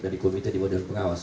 dari komite dewan pengawas